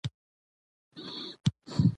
زه له بېسوادۍ څخه بېریږم.